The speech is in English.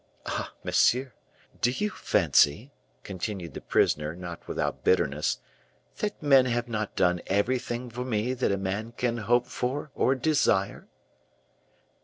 Ah! monsieur, do you fancy," continued the prisoner, not without bitterness, "that men have not done everything for me that a man can hope for or desire?"